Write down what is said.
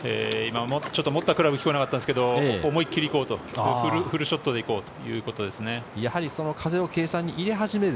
持ったクラブは聞こえなかったですけど、思いきり行こうと、フルショットで行こうということですね。